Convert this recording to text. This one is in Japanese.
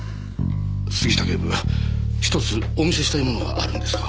杉下警部ひとつお見せしたいものがあるんですが。